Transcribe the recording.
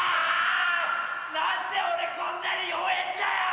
なんで俺こんなに弱えんだよ！